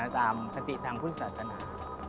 ตามคติทางพุทธศาสนา